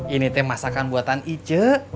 ini te masakan buatan ije